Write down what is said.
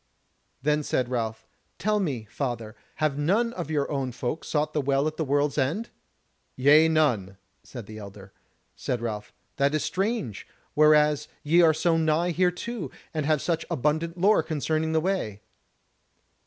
Then said Ralph: "Tell me, father, have none of your own folk sought to the Well at the World's End?" "Nay, none," said the elder. Said Ralph: "That is strange, whereas ye are so nigh thereto, and have such abundant lore concerning the way."